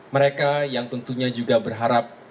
mereka yang tentunya juga berharap